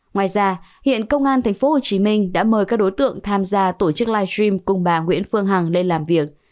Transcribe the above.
ngoài ra hiện công an tp hcm đã mời các đối tượng tham gia tổ chức live stream cùng bà nguyễn phương hằng lên làm việc